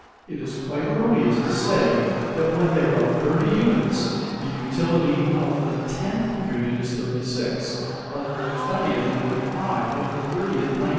It is quite erroneous to say that when there are 30 units the utility of the tenth unit is 36; of the twentieth, 25; of the thirtieth, 19.